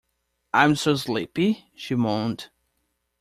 ‘I am so sleepy?’ she moaned.